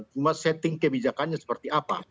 cuma setting kebijakannya seperti apa